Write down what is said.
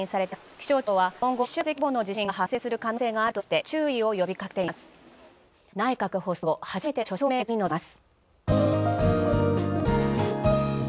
気象庁は今後１週間程度、同じ規模の地震が発生する可能性があるとして注意を呼びかけています。